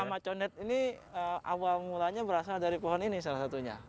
nama condet ini awal mulanya berasal dari pohon ini salah satunya